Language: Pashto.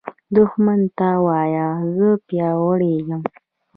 دښمن ته وایه “زه پیاوړی یم”